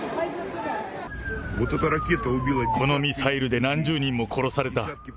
このミサイルで何十人も殺された。